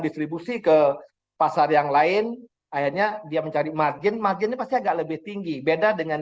distribusi ke pasar yang lain akhirnya dia mencari margin marginnya pasti agak lebih tinggi beda dengan